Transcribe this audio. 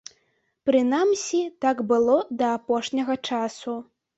Прынамсі, так было да апошняга часу.